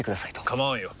構わんよ。